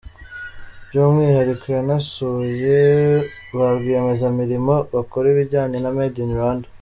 By’umwihariko yanasuye ba rwiyemezamirimo bakora ibijyanye na Made in Rwanda.